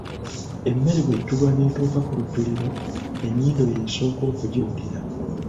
Emmere bw'ejjulwa n'etuuka ku lujjuliro, ennyindo y'esooka okugiwulira.